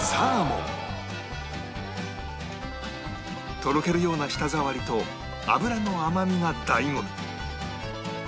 とろけるような舌触りと脂の甘みが醍醐味